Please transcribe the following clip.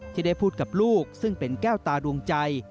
ที่ได้พูดกับลูกซึ่งเป็นแก้วตาดวงใจ